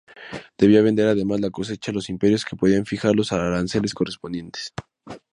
Debía vender además la cosecha a los imperios, que podían fijar los aranceles correspondientes.